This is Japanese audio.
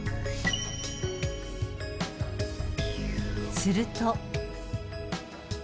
すると。